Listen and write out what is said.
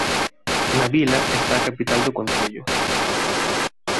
Na vila está a capital do concello.